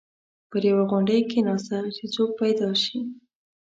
پر یوې غونډۍ کېناسته چې څوک پیدا شي.